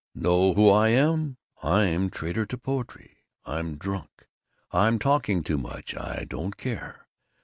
Know who I am? I'm traitor to poetry. I'm drunk. I'm talking too much. I don't care.